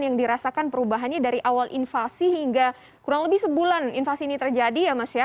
yang dirasakan perubahannya dari awal invasi hingga kurang lebih sebulan invasi ini terjadi ya mas ya